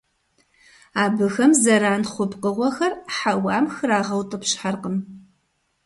Абыхэм зэран хъу пкъыгъуэхэр хьэуам храгъэутӀыпщхьэркъым.